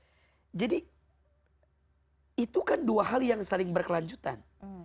hai jadi itu kan dua hal yang saling berkelanjutan